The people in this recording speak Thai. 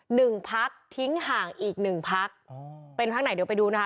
หนึ่งพักทิ้งห่างอีกหนึ่งพักอ๋อเป็นพักไหนเดี๋ยวไปดูนะคะ